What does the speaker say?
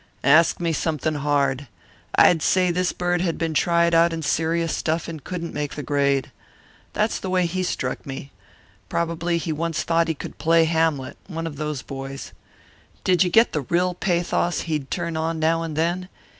"Ask me something hard. I'd say this bird had been tried out in serious stuff and couldn't make the grade. That's the way he struck me. Probably he once thought he could play Hamlet one of those boys. Didn't you get the real pathos he'd turn on now and then?